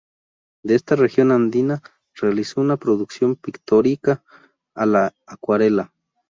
De esta región andina realizó una producción pictórica, a la acuarela.